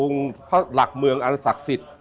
พระหลักเมืองอันศักดิ์สิทธิ์